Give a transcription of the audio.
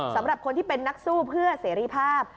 สำหรับคนที่เป็นนักสู้เพื่อเสรีภาพ